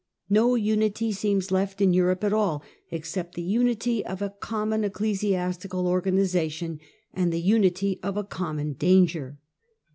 No unity seems left in Europe at all ex cept the unity of a common ecclesiastical organisation and the unity of a common danger.